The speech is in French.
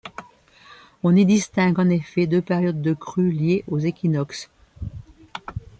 On y distingue en effet deux périodes de crue liées aux équinoxes.